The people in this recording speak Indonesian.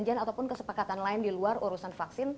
kemudian ataupun kesepakatan lain di luar urusan vaksin